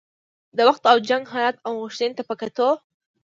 د وخت او د جنګ حالت او غوښتنې ته په کتو.